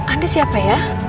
anda siapa ya